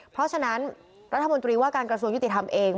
เพราะฉะนั้นรัฐมนตรีว่าการกระทรวงยุติธรรมเอง